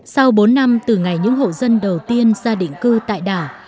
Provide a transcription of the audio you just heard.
sau bốn năm từ ngày những hộ dân đầu tiên ra định cư tại đảo